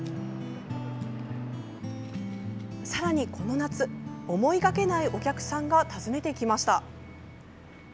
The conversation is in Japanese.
さらにこの夏、思いがけないお客さんが訪ねてきました。